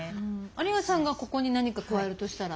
有賀さんがここに何か加えるとしたら？